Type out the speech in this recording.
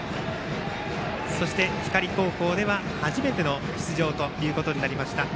そして、光高校では初めての出場ということになりました